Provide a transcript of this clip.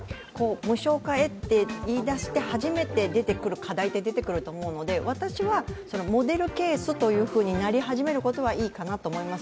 無償化へと言い出して初めて出てくる課題ってあると思うので私はモデルケースとなり始めるのはいいかなと思います。